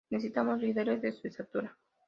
Necesitamos líderes de su estatura".